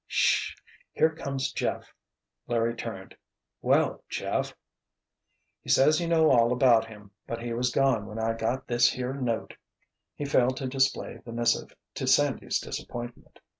"Sh h h! Here comes Jeff." Larry turned. "Well, Jeff——" "He says you know all about him, but he was gone when I got this here note." He failed to display the missive, to Sandy's disappointment.